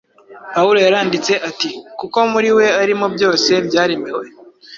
Pawulo yaranditse ati, “Kuko muri we ari mo byose byaremewe,